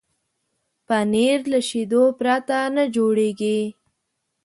پنېر له شيدو پرته نه جوړېږي.